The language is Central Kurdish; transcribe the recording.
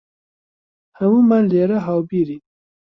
هەموومان لێرە هاوبیرین.